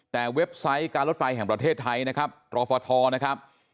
แต่เว็บไซต์การรถไฟแห่งประเทศไทยนะครับตรฟทนะครับ